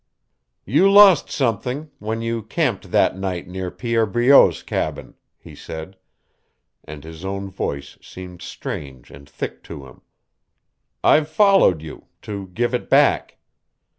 "You lost something when you camped that night near Pierre Breault's cabin," he said, and his own voice seemed strange and thick to him. "I've followed you to give it back.